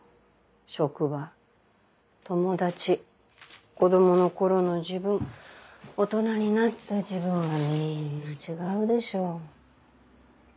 職場友達子供の頃の自分大人になった自分はみんな違うでしょ。